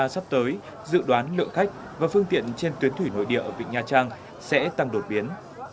sắp tới dự đoán lượng khách và phương tiện trên tuyến thủy nội địa ở vịnh nha trang sẽ tăng đột biến